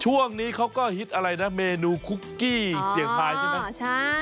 ช่วงนี้เขาก็ฮิตอะไรนะเมนูคุกกี้เสียงทายใช่ไหม